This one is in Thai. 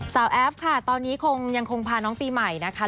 แอฟค่ะตอนนี้คงยังคงพาน้องปีใหม่นะคะ